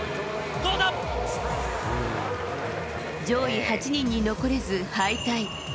上位８人に残れず敗退。